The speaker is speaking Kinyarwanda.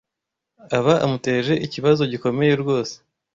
aba amuteje ikibazo gikomeye rwose